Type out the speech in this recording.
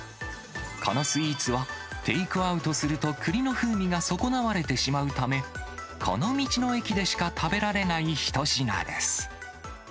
このスイーツは、テイクアウトするとくりの風味が損なわれてしまうため、この道の駅でしか食べられない一品です。